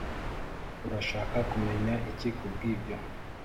Urashaka kumenya iki kubwibyo